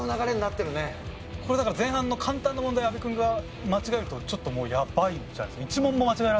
これだから前半の簡単な問題を阿部君が間違えるとちょっともうやばいんじゃないですか？